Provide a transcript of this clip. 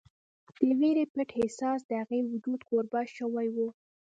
د وېرې پټ احساس د هغې وجود کوربه شوی و